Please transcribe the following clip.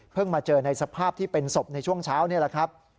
มาเจอในสภาพที่เป็นศพในช่วงเช้านี่แหละครับ